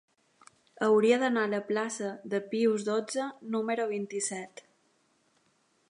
Hauria d'anar a la plaça de Pius dotze número vint-i-set.